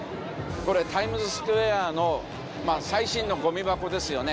これタイムズスクエアの最新のゴミ箱ですよね。